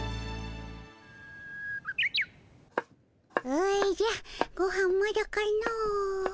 おじゃごはんまだかの。